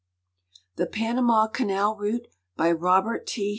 ] THE PANAMA CANAL ROUTE B}" Robert T.